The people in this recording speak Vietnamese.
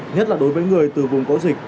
nhất là đối với người từ vùng cố dịch